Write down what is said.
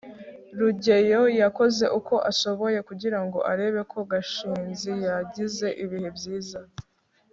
rugeyo yakoze uko ashoboye kugira ngo arebe ko gashinzi yagize ibihe byiza